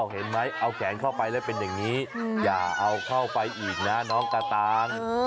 เห็นไหมเอาแขนเข้าไปแล้วเป็นอย่างนี้อย่าเอาเข้าไปอีกนะน้องกระตัง